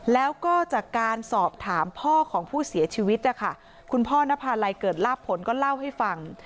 แล้วก็จากการสอบถามพ่อของผู้เสียชีวิตนะคะคุณพ่อนภาลัยเกิดลาบผลก็เล่าให้ฟัง